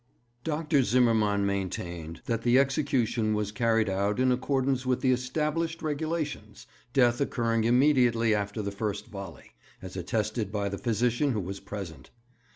Dr. Zimmermann maintained that the execution was carried out in accordance with the established regulations, death occurring immediately after the first volley, as attested by the physician who was present.